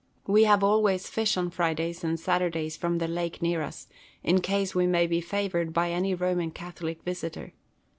We have always fish on Fridays and Saturdays from the lake near us, in case we may be favoured by any Roman Catholic visitor.